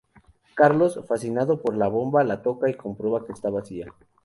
Carlos, fascinado por la bomba la toca y comprueba que está vacía.